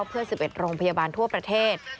เพื่อ๑๑โรงพยาบาลทั่วประเทศ